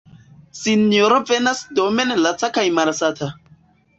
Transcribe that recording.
Sinjoro venas domen laca kaj malsata.